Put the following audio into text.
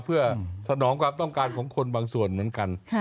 เพื่อสนองความต้องการของคนบางส่วนเหมือนกัน